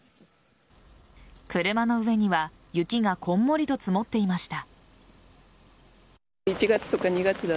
車の上には雪がこんもりと積もっていました。